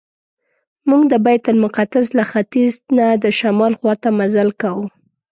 موږ د بیت المقدس له ختیځ نه د شمال خواته مزل کاوه.